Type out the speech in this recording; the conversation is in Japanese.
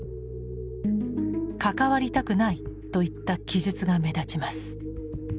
「関わりたくない」といった記述が目立ちます。